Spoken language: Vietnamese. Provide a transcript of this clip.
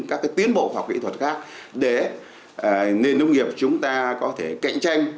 các cái tiến bộ hóa kỹ thuật khác để nền nông nghiệp chúng ta có thể cạnh tranh